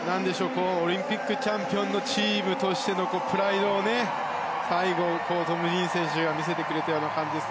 オリンピックチャンピオンのチームとしてのプライドを最後、トム・ディーン選手が見せてくれたような感じです。